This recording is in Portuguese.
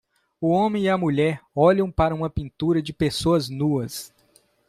O homem e a mulher olham para uma pintura de pessoas nuas.